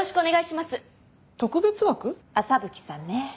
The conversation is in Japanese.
麻吹さんね。